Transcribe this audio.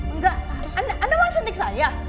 enggak anda mau suntik saya